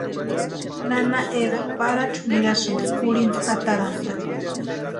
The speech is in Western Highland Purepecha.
Nana Eva Parachu nirasïnti kurhinta atarantani.